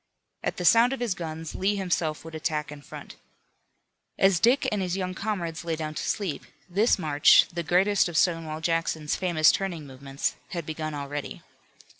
At the sound of his guns Lee himself would attack in front. As Dick and his young comrades lay down to sleep this march, the greatest of Stonewall Jackson's famous turning movements, had begun already.